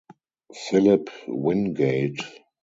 Philip Wingate.